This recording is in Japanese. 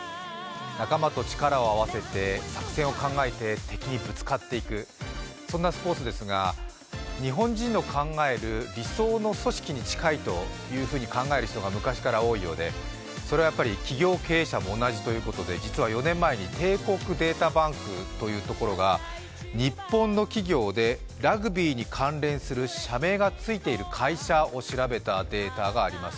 仲間と力を合わせて作戦を考えて敵にぶつかっていく、そんなスポーツですが日本人の考える理想の組織に近いと考える人が昔から多いようで、それは企業経営者も同じということで、実は４年前に帝国データバンクというところが日本の企業でラグビーに関連する社名がついている会社を調べたデータがあります。